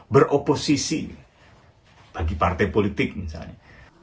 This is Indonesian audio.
beroposisi bagi partai politik misalnya